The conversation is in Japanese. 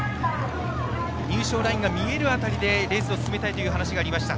入賞ラインが見える辺りでレースを進めたいという話がありました。